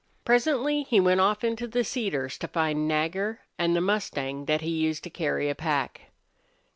Presently he went off into the cedars to find Nagger and the mustang that he used to carry a pack.